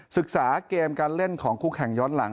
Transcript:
ศึกษาเกมการเล่นของคู่แข่งย้อนหลัง